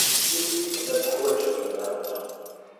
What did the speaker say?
Siwel-iyi-d ma teḥwaǧeḍ lemɛawna.